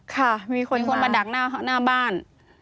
ค่ะมีคนคนมาดักหน้าบ้าน